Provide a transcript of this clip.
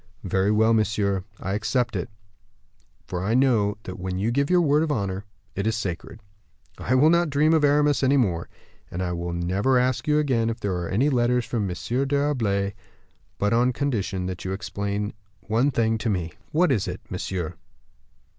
"Very well, monsieur, I accept it; for I know that when you give your word of honor, it is sacred." "I will not dream of Aramis any more; and I will never ask you again if there are any letters from M. d'Herblay; but on condition that you explain one thing to me." "Tell me what it is, monsieur?"